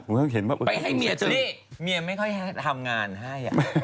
เมียไม่ค่อยทำงานให้